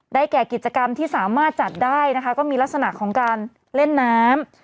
แก่กิจกรรมที่สามารถจัดได้นะคะก็มีลักษณะของการเล่นน้ำ